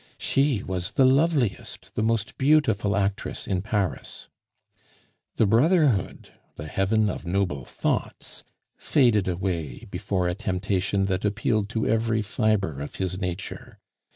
She was the loveliest, the most beautiful actress in Paris. The brotherhood, the heaven of noble thoughts, faded away before a temptation that appealed to every fibre of his nature.